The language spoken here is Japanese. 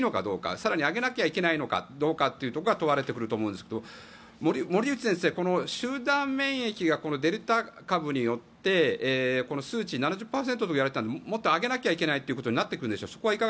更に上げなければいけないのかどうかというところが問われてくると思うんですが森内先生、この集団免疫がデルタ株によって数値、７０％と言われていたのがもっと上げなきゃいけないとなってくるんでしょうか？